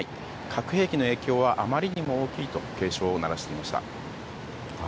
核兵器の影響はあまりにも大きいと警鐘を鳴らしていました。